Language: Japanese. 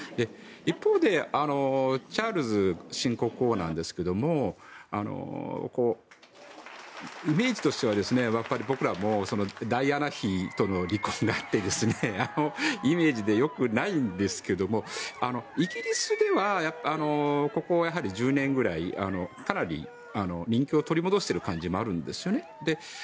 一方でチャールズ新国王なんですがイメージとしては僕らもダイアナ妃との離婚があってイメージでよくないんですがイギリスではここ１０年くらいかなり人気を取り戻している感じもあるんですね。